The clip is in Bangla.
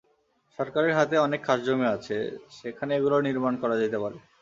সরকারের হাতে অনেক খাসজমি আছে, সেখানে এগুলো নির্মাণ করা যেতে পারে।